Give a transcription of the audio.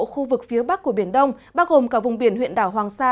khu vực phía bắc của biển đông bao gồm cả vùng biển huyện đảo hoàng sa